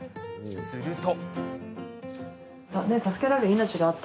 すると。